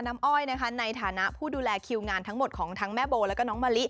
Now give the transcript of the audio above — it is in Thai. โดยอน้ำอ้อยในฐานะผู้ดูแลคิวงานทั้งหมดของทั้งแม่โบและน้องมะลิ